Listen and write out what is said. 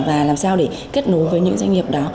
và làm sao để kết nối với những doanh nghiệp đó